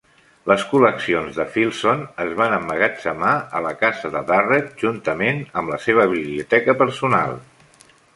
Les col·leccions de Filson es van emmagatzemar a la casa de Durrett juntament amb la seva biblioteca personal.